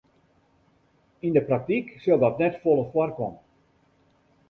Yn 'e praktyk sil dat net folle foarkomme.